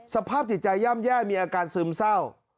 สภาพจิตใจย่ำแย่มีอาการซึมเศร้า